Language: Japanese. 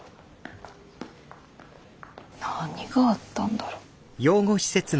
何があったんだろう。